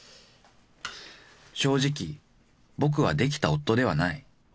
［正直僕はできた夫ではない］